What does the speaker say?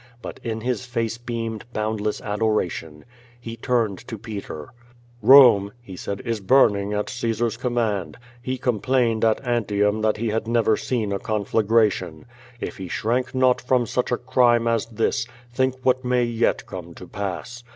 But in his face beamed boundless adoration. He turned to Peter. Rome," he said, "is burning at Caesar's command. He complained ai Antium that he had never seen a conflagration. If he shrank not from such a crime as this, think what may yet come to pass.